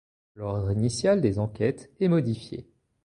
L'ordre initial des enquêtes est modifié.